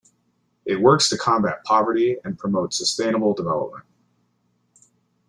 It works to combat poverty and promote sustainable development.